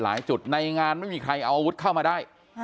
จุดในงานไม่มีใครเอาอาวุธเข้ามาได้